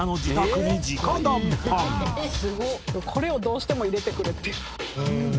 「これをどうしても入れてくれ」っていう。